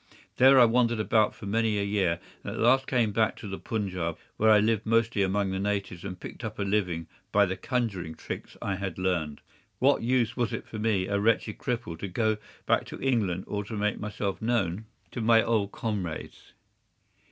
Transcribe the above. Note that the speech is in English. There I wandered about for many a year, and at last came back to the Punjab, where I lived mostly among the natives and picked up a living by the conjuring tricks that I had learned. What use was it for me, a wretched cripple, to go back to England or to make myself known to my old comrades?